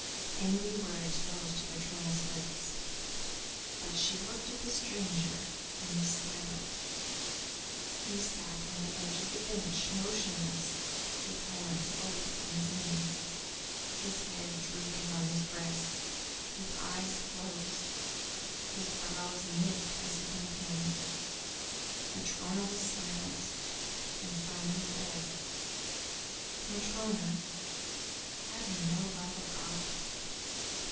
Angry words rose to Matryona's lips, but she looked at the stranger and was silent. He sat on the edge of the bench, motionless, his hands folded on his knees, his head drooping on his breast, his eyes closed, and his brows knit as if in pain. Matryona was silent: and Simon said: "Matryona, have you no love of God?"